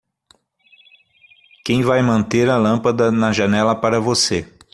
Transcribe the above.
Quem vai manter a lâmpada na janela para você.